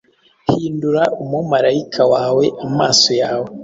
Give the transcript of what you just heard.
hindura umumarayika wawe amaso yawe